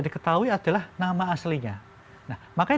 diketahui adalah nama aslinya nah makanya